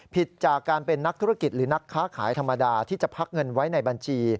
ผิดจากการเป็นนักธุรกิจหรือนักค้าขายธรรมดาที่จะพักเงินไว้ในบัญชี